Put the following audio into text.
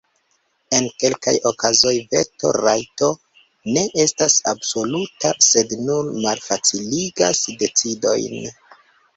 En kelkaj okazoj veto-rajto ne estas absoluta, sed nur malfaciligas decidojn.